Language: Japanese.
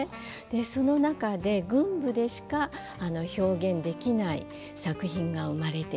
その中で群舞でしか表現できない作品が生まれていきます。